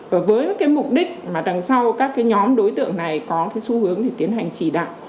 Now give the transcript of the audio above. và với mục đích mà đằng sau các nhóm đối tượng này có xu hướng để tiến hành chỉ đạo